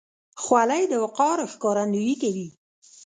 خولۍ د وقار ښکارندویي کوي.